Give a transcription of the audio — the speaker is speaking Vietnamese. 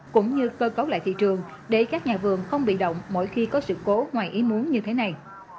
cũng như cơ cấu lại thị trường để các nhà vườn không bị động mỗi khi có sự cố ngoài ý muốn như thế này